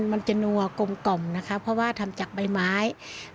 มันจะนัวกลมกล่อมนะคะเพราะว่าทำจากใบไม้